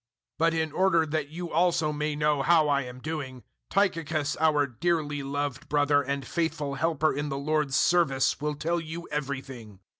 006:021 But in order that you also may know how I am doing, Tychicus our dearly loved brother and faithful helper in the Lord's service will tell you everything.